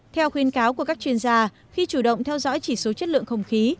theo khuyên cáo của các chuyên gia khi chủ động theo dõi chỉ số chất lượng không khí